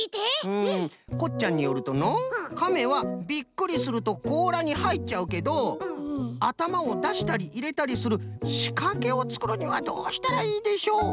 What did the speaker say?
こっちゃんによるとのう「カメはびっくりするとこうらにはいっちゃうけどあたまをだしたりいれたりするしかけをつくるにはどうしたらいいでしょう？」とのことです。